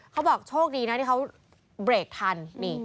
เขาบอกโชคดีนะที่เขาเบรกทัน